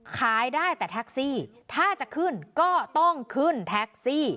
ขายได้แต่แท็กซี่ถ้าจะขึ้นก็ต้องขึ้นแท็กซี่